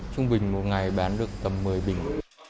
trung bình một ngày bán được tầm một mươi bình